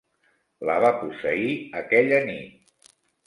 La va posseir aquella nit.